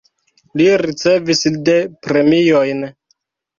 Li ricevis de premiojn.